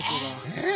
えっ！